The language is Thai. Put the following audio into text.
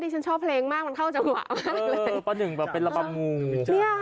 ไม่มีชายดูลิวปลุก